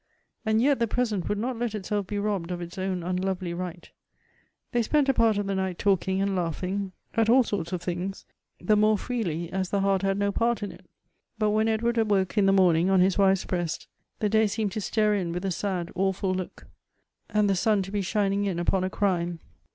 And yet the present would not let itself be robbed of its own unlovely right. They spent a part of the night talking and laughing at all sorts of things, the more freely, as the heart had no part in it. But when Edward awoke in the mpming, on his wife's breast, the day seemed to stare in with a sad, awful look, and the sun to be shining in upon a crime.